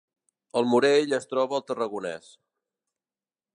El Morell es troba al Tarragonès